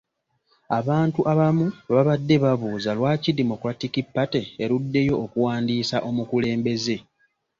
Abantu abamu babadde babuuza lwaki Democratic Party eruddeyo okuwandiisa omukulembeze.